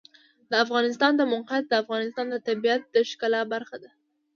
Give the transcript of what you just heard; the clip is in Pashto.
د افغانستان د موقعیت د افغانستان د طبیعت د ښکلا برخه ده.